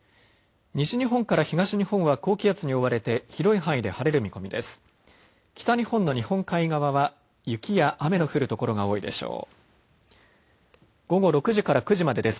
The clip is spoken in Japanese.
西日本から東日本は高気圧に覆われて広い範囲で晴れる見込みです。